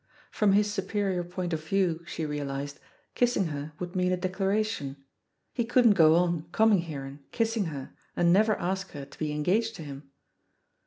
From his superior point of view, she realised, kissing her would mean a declaration — ^he couldn't go on coming here and kissing her and never ask her to be engaged to him.